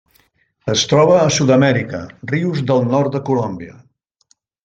Es troba a Sud-amèrica: rius del nord de Colòmbia.